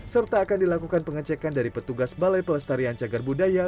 serta akan dilakukan pengecekan dari petugas balai pelestarian cagar budaya